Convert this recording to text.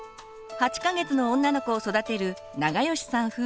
８か月の女の子を育てる永吉さん